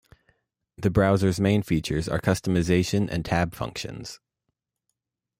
The browser's main features are customization and tab functions.